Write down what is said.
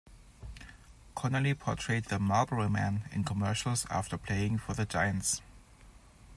Conerly portrayed the "Marlboro Man" in commercials after playing for the Giants.